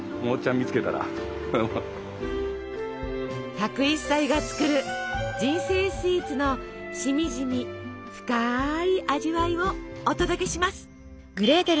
１０１歳が作る「人生スイーツ」のしみじみ深い味わいをお届けします。